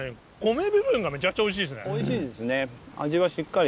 おいしいですね。